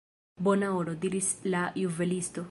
Bona oro, diris la juvelisto.